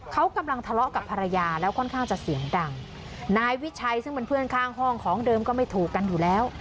เขากำลังทะเลาะกับภรรยาแล้วค่อนข้างจะเสียงดังนายวิชัยซึ่งเป็นเพื่อนข้างห้องของเดิมก็ไม่ถูกกันอยู่แล้ว